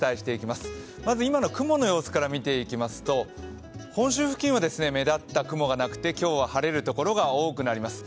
まず今の雲の様子から見ていきますと本州付近は目立った雲がなくて今日は晴れる所が多くなります。